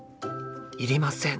いりません。